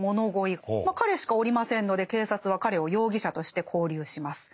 まあ彼しかおりませんので警察は彼を容疑者として拘留します。